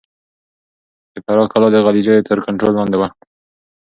د فراه کلا د غلجيو تر کنټرول لاندې وه.